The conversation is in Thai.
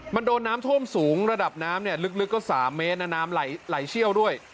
มันโดนน้ำท่วมสูงระดับน้ำเนี่ยลึกก็๓เมตรนะน้ำไหลเชี่ยวด้วย